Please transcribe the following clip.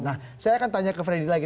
nah saya akan tanya ke freddy lagi